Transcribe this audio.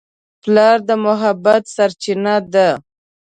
پلار د محبت سرچینه ده.